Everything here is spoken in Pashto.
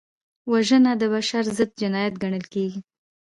وژنه د بشر ضد جنایت ګڼل کېږي